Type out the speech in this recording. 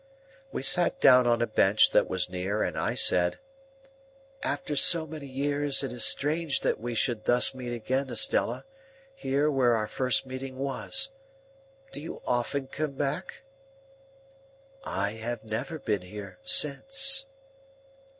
We sat down on a bench that was near, and I said, "After so many years, it is strange that we should thus meet again, Estella, here where our first meeting was! Do you often come back?" "I have never been here since."